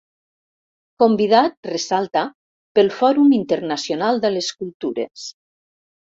Convidat, ressalta, pel Fòrum Internacional de les Cultures.